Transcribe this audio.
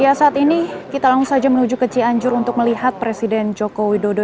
ya saat ini kita langsung saja menuju ke cianjur untuk melihat presiden joko widodo